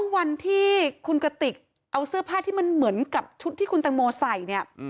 วันที่คุณกติกเอาเสื้อผ้าที่มันเหมือนกับชุดที่คุณตังโมใส่เนี่ย